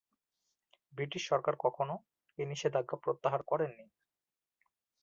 British সরকার কখনো এ নিষেধাজ্ঞা প্রত্যাহার করেননি।